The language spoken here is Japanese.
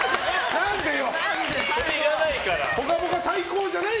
何でよ！